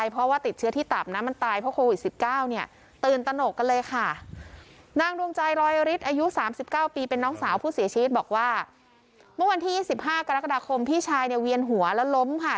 เป็นน้องสาวผู้เสียชีวิตบอกว่าเมื่อวันที่๒๕กรกฎาคมพี่ชายเนี่ยเวียนหัวแล้วล้มค่ะ